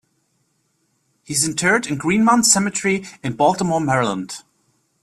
He is interred in Greenmount Cemetery in Baltimore, Maryland.